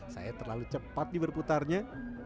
saya terlalu cepat nih berputarnya